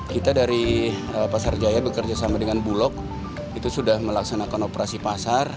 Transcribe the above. kita dari pasar jaya bekerja sama dengan bulog itu sudah melaksanakan operasi pasar